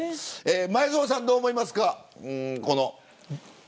前園さん、どう思いますか。